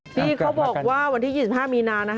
ที่เขาบอกว่าวันที่๒๕มีนา